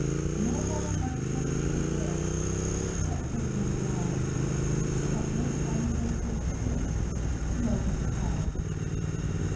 No one of gentle birth but paid him well, Of their ancestors' deeds to nobly tell.